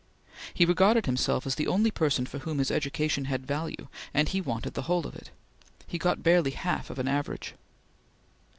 He regarded himself as the only person for whom his education had value, and he wanted the whole of it. He got barely half of an average.